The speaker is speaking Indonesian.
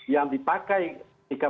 yang dipakai ketika